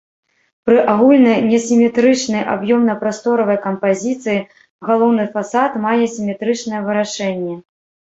Пры агульнай несіметрычнай аб'ёмна-прасторавай кампазіцыі галоўны фасад мае сіметрычнае вырашэнне.